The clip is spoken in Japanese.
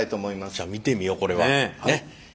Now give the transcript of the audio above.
じゃあ見てみようこれは。ね！